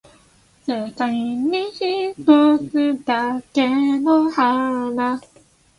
世界に一つだけの花